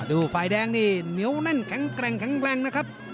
ฝ่ายแดงนี่เหนียวแน่นแข็งแกร่งแข็งแรงนะครับ